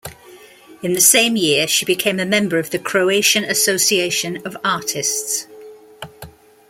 In the same year, she became a member of the Croatian Association of Artists.